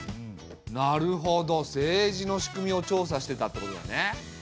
なるほど政治の仕組みを調査してたってことだよね。